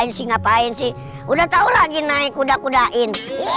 ngapain sih udah tahu lagi naik kuda kudain